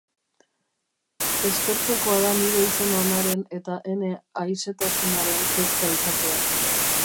Eskertzekoa da nire izen onaren eta ene aisetasunaren kezka izatea.